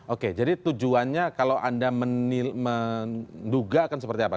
oke jadi tujuannya kalau anda menduga akan seperti apa